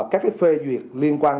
các cái phê duyệt liên quan